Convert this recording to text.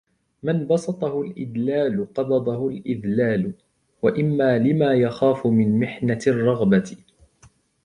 مَنْ بَسَطَهُ الْإِدْلَالُ قَبَضَهُ الْإِذْلَالُ وَإِمَّا لِمَا يُخَافُ مِنْ مِحْنَةِ الرَّغْبَةِ